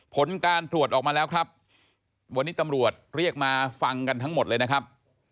ผลการตรวจออกมาแล้วครับวันนี้ตำรวจเรียกมาฟังกันทั้งหมดเลยนะครับ